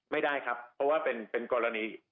ไม่ได้ครับเพราะว่าเป็นกรณี